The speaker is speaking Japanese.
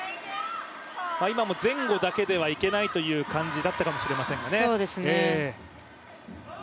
今も前後だけではいけないという感じだったかもしれないですね。